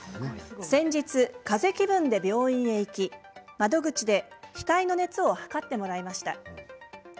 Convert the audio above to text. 先日、かぜ気分で病院へ行き窓口で額の熱を測ってもらいました。